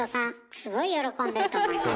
すごい喜んでると思います。